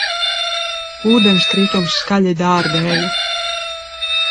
Ūdenskritums skaļi dārdēja